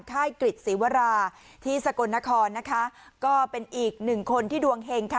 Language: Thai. ค่ายกฤษศีวราที่สกลนครนะคะก็เป็นอีกหนึ่งคนที่ดวงเฮงค่ะ